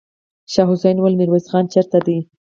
شاه حسين وويل: ميرويس خان چېرته دی؟